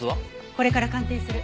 これから鑑定する。